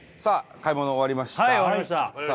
はい終わりましたさあ